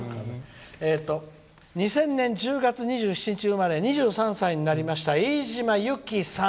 「２０００年１０月２３日生まれ２３歳になりましたいいじまゆきさん